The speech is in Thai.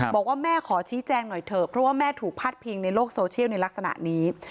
บอกว่าแม่ขอชี้แจงหน่อยเถอะเพราะว่าแม่ถูกพาดพิงในโลกโซเชียลในลักษณะนี้